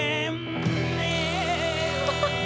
「ハハハ！」